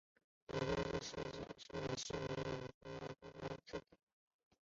李泰是李世民与长孙皇后的次子。